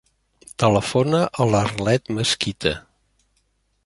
Telefona a l'Arlet Mezquita.